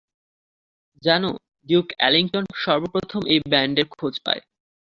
জানো, Duke Ellington সর্বপ্রথম এই ব্যান্ডের খোঁজ পায়।